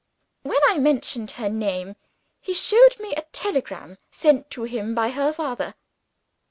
When I mentioned her name, he showed me a telegram, sent to him by her father.